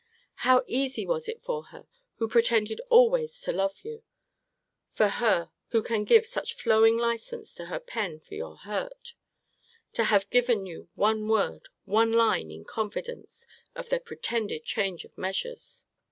How easy was it for her, who pretended always to love you; for her, who can give such flowing license to her pen for your hurt; to have given you one word, one line (in confidence) of their pretended change of measures!